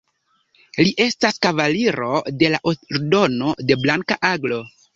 Li estas Kavaliro de la Ordeno de Blanka Aglo.